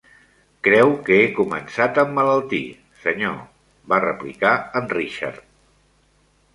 "Creu que he començat a emmalaltir, senyor", va replicar en Richard.